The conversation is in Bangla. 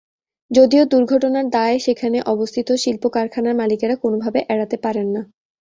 যদিও দুর্ঘটনার দায় সেখানে অবস্থিত শিল্প-কারখানার মালিকেরা কোনোভাবে এড়াতে পারেন না।